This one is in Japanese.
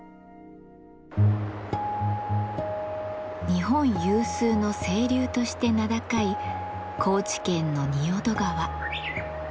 日本有数の清流として名高い高知県の仁淀川。